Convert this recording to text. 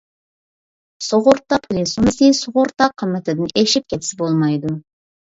سۇغۇرتا پۇلى سوممىسى سۇغۇرتا قىممىتىدىن ئېشىپ كەتسە بولمايدۇ.